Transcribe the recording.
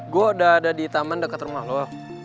gue udah ada di taman dekat rumah loa